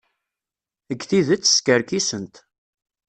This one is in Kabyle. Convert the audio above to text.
Deg tidet, skerksent.